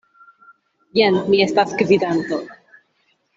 Jen, mi estas gvidanto.